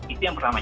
itu yang pertama